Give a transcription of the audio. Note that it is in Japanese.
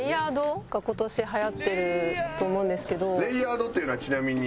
レイヤードっていうのはちなみに。